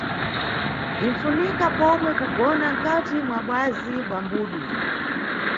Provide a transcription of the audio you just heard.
Bzinʼfunika pomwe kugona nkati mwa bwazi bwa mbudu.